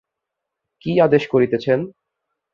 কী আদেশ করিতেছেন?